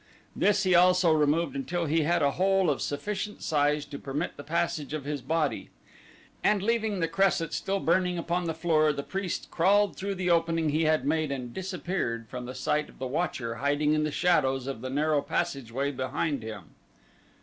This he also removed until he had a hole of sufficient size to permit the passage of his body, and leaving the cresset still burning upon the floor the priest crawled through the opening he had made and disappeared from the sight of the watcher hiding in the shadows of the narrow passageway behind him.